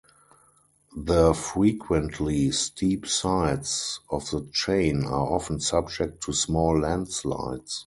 The frequently steep sides of the chain are often subject to small landslides.